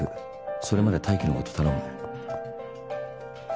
それまで泰生のこと頼む。